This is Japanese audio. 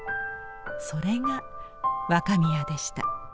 それが若宮でした。